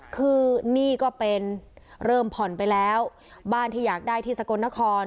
คือนี่ก็เป็นเริ่มผ่อนไปแล้วบ้านที่อยากได้ที่สกลนคร